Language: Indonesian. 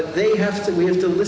tapi kita harus mendengarkan mereka